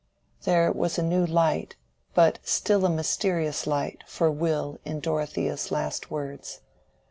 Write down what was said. There was a new light, but still a mysterious light, for Will in Dorothea's last words.